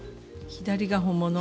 左が本物？